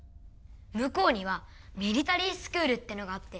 向こうにはミリタリースクールってのがあって